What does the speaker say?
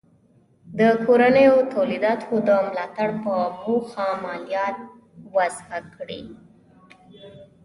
د کورنیو تولیداتو د ملاتړ په موخه مالیات وضع کړي.